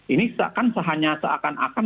ini seakan seakan akan